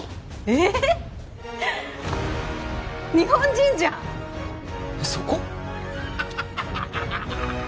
えっ日本人じゃんそこ？